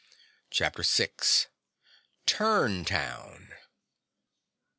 CHAPTER 6 Turn Town!